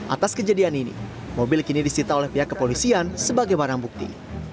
atas kejadian ini mobil kini disita oleh pihak kepolisian sebagai barang bukti